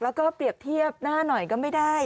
แล้วก็เปรียบเทียบหน้าหน่อยก็ไม่ได้